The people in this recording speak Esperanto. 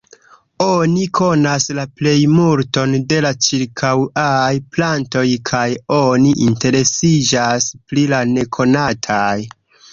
Oni konas la plejmulton de la ĉirkaŭaj plantoj kaj oni interesiĝas pri la nekonataj.